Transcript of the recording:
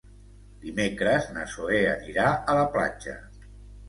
Dimecres na Zoè anirà a la platja.